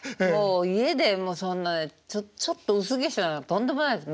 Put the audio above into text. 家でもうそんなちょっと薄化粧なんてとんでもないです